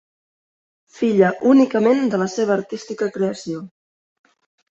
Filla únicament de la seva artística creació.